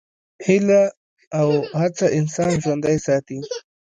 هیله او هڅه انسان ژوندی ساتي.